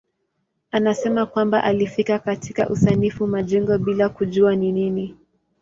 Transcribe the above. Anasema kwamba alifika katika usanifu majengo bila kujua ni nini.